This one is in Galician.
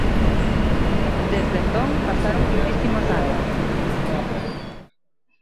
Desde entón pasaron moitísimos anos.